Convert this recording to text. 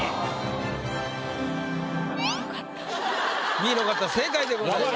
Ｂの方正解でございます。